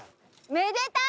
めでたい！